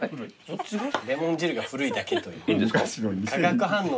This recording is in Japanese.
レモン汁が古いだけという。